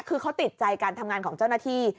คือเขาติดใจการทำงานของเจ้าหน้าที่